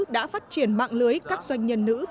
đã phát triển mạng lưới các doanh nhân nữ